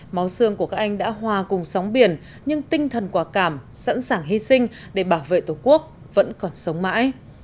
máu xương của các anh đã hòa cùng sóng biển nhưng tinh thần quả cảm sẵn sàng hy sinh để bảo vệ tổ quốc vẫn còn sống mãi